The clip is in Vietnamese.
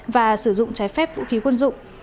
và sử dụng trái phép vũ khí quân dụng